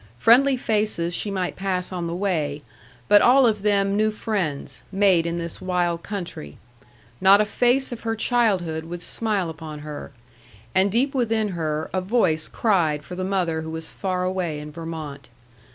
Friendly faces she might pass on the way; but all of them new friends, made in this wild country: not a face of her childhood would smile upon her; and deep within her, a voice cried for the mother who was far away in Vermont.